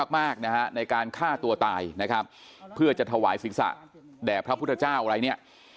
มากนะฮะในการฆ่าตัวตายนะครับเพื่อจะถวายศีรษะแด่พระพุทธเจ้าอะไรเนี่ย